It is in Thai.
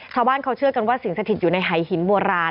ชาวบ้านเขาเชื่อกันว่าสิ่งสถิตอยู่ในหายหินโบราณ